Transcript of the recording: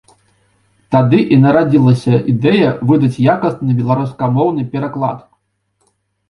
Тады і нарадзілася ідэя выдаць якасны беларускамоўны пераклад.